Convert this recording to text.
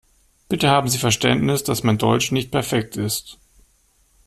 Bitte haben Sie Verständnis, dass mein Deutsch nicht perfekt ist.